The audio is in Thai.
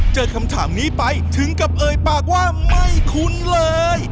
เจอคำถามนี้ไปถึงกับเอ่ยปากว่าไม่คุ้นเลย